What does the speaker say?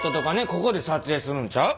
ここで撮影するんちゃう？